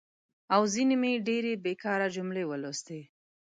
او ځینې مې ډېرې بېکاره جملې ولوستي.